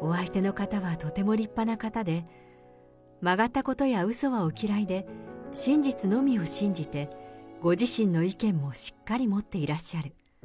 お相手の方はとても立派な方で、曲がったことやうそはお嫌いで、真実のみを信じて、ご自身の意見もしっかり持っていらっしゃる。